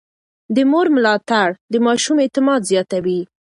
د مور ملاتړ د ماشوم اعتماد زياتوي.